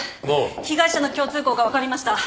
被害者の共通項が分かりました。